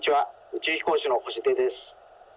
宇宙飛行士の星出です。